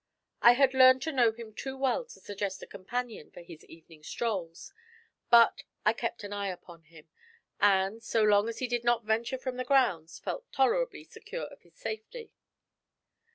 I had learned to know him too well to suggest a companion for his evening strolls, but I kept an eye upon him, and, so long as he did not venture from the grounds, felt tolerably secure of his safety.